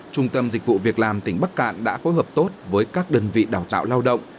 trung tâm dịch vụ việc làm tỉnh bắc cạn đã phối hợp tốt với các đơn vị đào tạo lao động